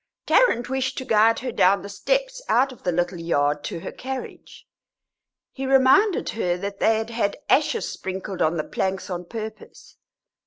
Tarrant wished to guide her down the steps, out of the little yard, to her carriage; he reminded her that they had had ashes sprinkled on the planks on purpose.